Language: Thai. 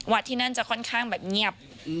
ที่นั่นจะค่อนข้างแบบเงียบ